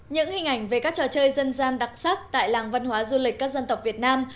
những hình ảnh về các trò chơi dân gian đặc sắc tại làng văn hóa du lịch các dân tộc việt nam